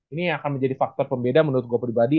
ini akan menjadi faktor pembeda menurut gue pribadi